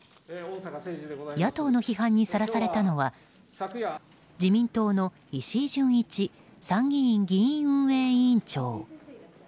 野党の批判にさらされたのは自民党の石井準一参議院議院運営委員長。